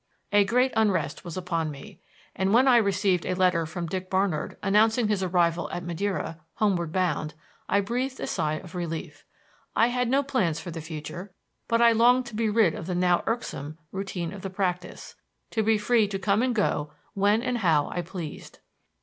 A great unrest was upon me; and when I received a letter from Dick Barnard announcing his arrival at Madeira, homeward bound, I breathed a sigh of relief. I had no plans for the future, but I longed to be rid of the now irksome, routine of the practise to be free to come and go when and how I pleased.